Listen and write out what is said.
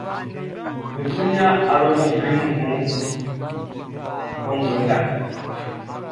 Be su nian awlobo flimu kun kɔnguɛ nga.